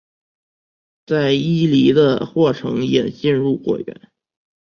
在伊犁的霍城也进入果园。